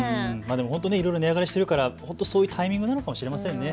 本当に今、値上がりしているからそういうタイミングなのかもしれませんね。